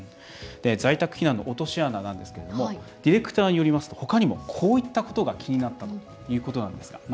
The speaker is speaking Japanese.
在宅避難の落とし穴なんですけどディレクターによりますとほかにも、こういったことが気になったということなんです。